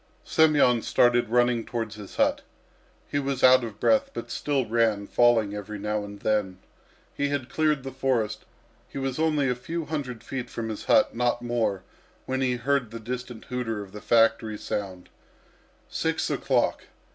Semyon started running towards his hut. He was out of breath, but still ran, falling every now and then. He had cleared the forest; he was only a few hundred feet from his hut, not more, when he heard the distant hooter of the factory sound six o'clock!